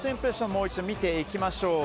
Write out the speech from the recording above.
もう一度、見ていきましょう。